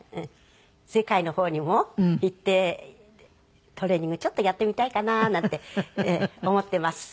世界の方にも行ってトレーニングちょっとやってみたいかななんて思ってます。